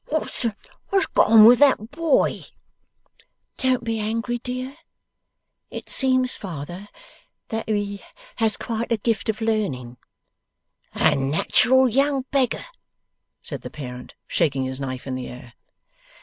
What's gone with that boy?' 'Don't be angry, dear. It seems, father, that he has quite a gift of learning.' 'Unnat'ral young beggar!' said the parent, shaking his knife in the air.